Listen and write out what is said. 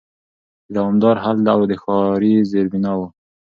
د دوامدار حل او د ښاري زېربناوو